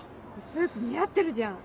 スーツ似合ってるじゃん。